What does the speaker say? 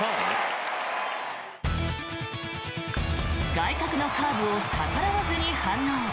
外角のカーブを逆らわずに反応。